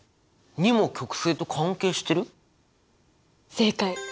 正解！